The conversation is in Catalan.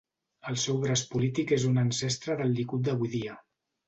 El seu braç polític és un ancestre del Likud d'avui dia.